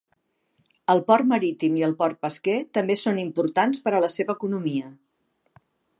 El port marítim i el port pesquer també són importants per a la seva economia.